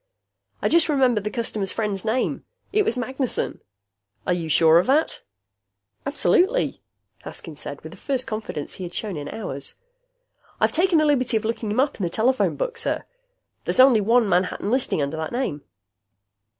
"I just remembered the customer's friend's name. It was Magnessen." "Are you sure of that?" "Absolutely," Haskins said, with the first confidence he had shown in hours. "I've taken the liberty of looking him up in the telephone book, sir. There's only one Manhattan listing under that name."